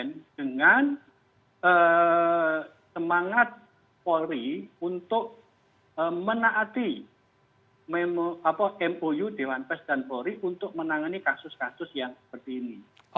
berkaitan dengan semangat polri untuk menaati mou dewan pers dan polri untuk menangani kasus kasus yang seperti ini